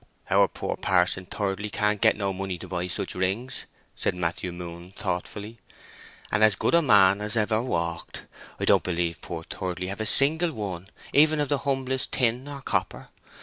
"Our poor Parson Thirdly can't get no money to buy such rings," said Matthew Moon, thoughtfully. "And as good a man as ever walked. I don't believe poor Thirdly have a single one, even of humblest tin or copper.